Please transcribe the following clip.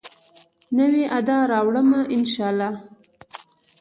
نوي ادا راوړمه، ان شاالله